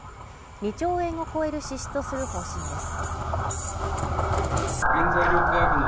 ２兆円を超える支出とする方針です。